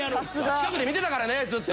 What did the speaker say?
近くで見てたからねずっと。